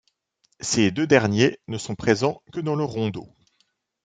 Ces deux derniers ne sont présents que dans le Rondo.